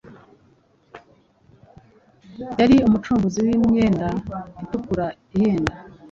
yari umucuruzi w’imyenda itukura ihenda.